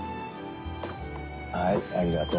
はいありがとう。